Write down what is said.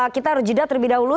kita harus jeda terlebih dahulu